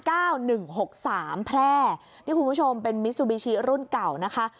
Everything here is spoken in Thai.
เก้าหนึ่งหกสามแพร่นี่คุณผู้ชมเป็นมิซูบิชิรุ่นเก่านะคะ